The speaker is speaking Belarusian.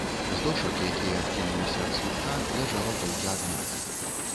З дошак, якія адкінуліся ад слупка, ляжала толькі адна.